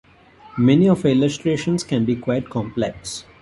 Many of her illustrations can be quite complex.